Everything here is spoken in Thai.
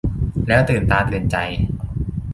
แล้วตื่นตาตื่นใจ